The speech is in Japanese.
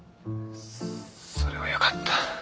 それはよかった。